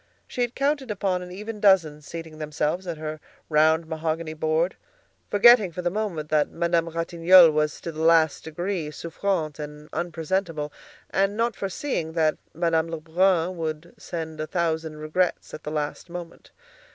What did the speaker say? She had counted upon an even dozen seating themselves at her round mahogany board, forgetting for the moment that Madame Ratignolle was to the last degree souffrante and unpresentable, and not foreseeing that Madame Lebrun would send a thousand regrets at the last moment.